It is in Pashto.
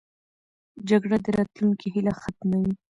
جګړه د راتلونکې هیله ختموي